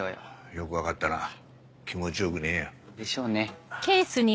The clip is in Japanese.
よく分かったな気持ち良くねえよ。でしょうね。